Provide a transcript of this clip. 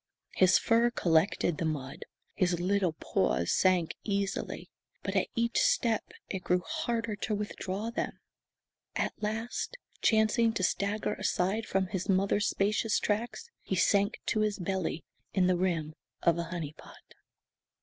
His fur collected the mud. His little paws sank easily, but at each step it grew harder to withdraw them. At last, chancing to stagger aside from his mother's spacious tracks, he sank to his belly in the rim of a "honey pot."